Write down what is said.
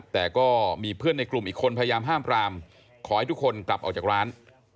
แต่ก็มีเพื่อนในกลุ่มอีกคนพยายามห้ามปรามขอให้ทุกคนกลับออกจากร้าน